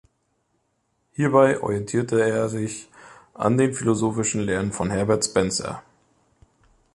Hierbei orientierte er sich an den philosophischen Lehren von Herbert Spencer.